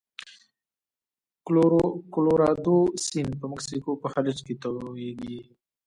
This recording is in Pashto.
کلورادو سیند په مکسیکو په خلیج کې تویږي.